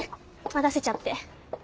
待たせちゃって。